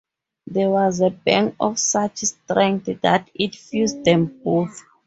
There was a bang of such strength that it fused them both.